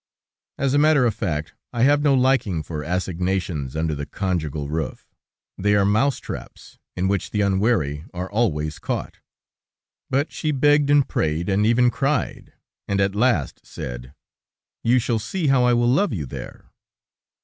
As a matter of fact, I have no liking for assignations under the conjugal roof; they are mouse traps, in which the unwary are always caught. But she begged and prayed, and even cried, and at last said: "You shall see how I will love you there."